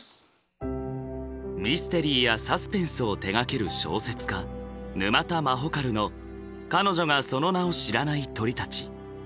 ミステリーやサスペンスを手がける小説家沼田まほかるの「彼女がその名を知らない鳥たち」。